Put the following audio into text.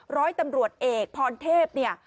ร้อยตำรวจเอกพรเทพเนี่ย